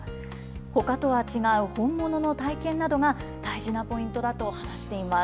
ほかとは違う本物の体験などが大事なポイントだと話しています。